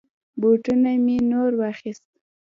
بوټونه می نور واخيست.